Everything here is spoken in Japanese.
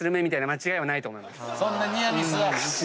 そんなニアミスは。